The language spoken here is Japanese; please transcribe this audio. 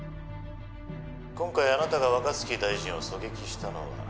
「今回あなたが若槻大臣を狙撃したのは」